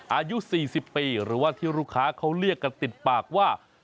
อายุ๔๐ปีหรือว่าที่ลูกค้าเขาเรียกกันติดปากว่า